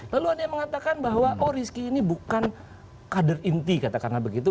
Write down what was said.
lalu ada yang mengatakan bahwa oh rizky ini bukan kader inti katakanlah begitu